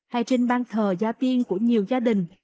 hay trên ban thờ gia tiên của nhiều gia đình